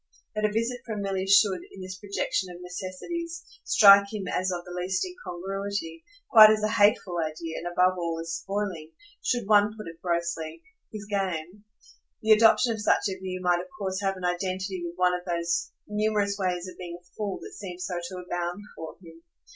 That a visit from Milly should, in this projection of necessities, strike him as of the last incongruity, quite as a hateful idea, and above all as spoiling, should one put it grossly, his game the adoption of such a view might of course have an identity with one of those numerous ways of being a fool that seemed so to abound for him.